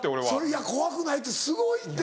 いや怖くないってすごいって。